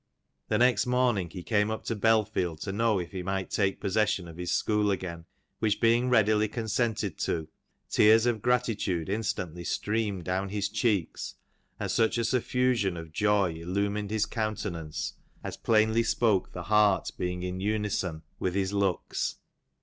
The next morning he came up to Belfield to know if he might take possession of his school again, which being readily consented to, tears of gratitude instantly streamed down his cheeks and such a suffusion of joy illumined his coun tenance, as plainly spoke the heart being in unison with his looks.